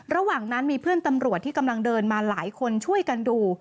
ระหว่างนั้นมีเพื่อนตำรวจที่กำลังเดินมาหลายคนช่วยกันดู